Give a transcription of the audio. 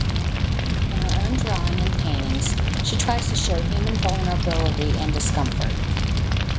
In her own drawing and paintings she tries to show human vulnerability and discomfort.